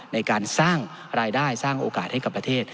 ในการสร้างรายได้สร้างโอกาสให้กับประเทศ